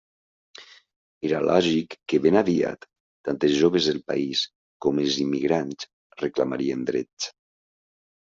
Era lògic que ben aviat tant els joves del país com els immigrants reclamarien drets.